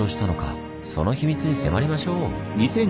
その秘密に迫りましょう！